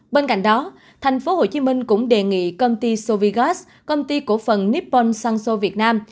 bên cạnh đó tp hcm cũng đề nghị công ty sovigaz công ty cổ phần nippon sanzo việt nam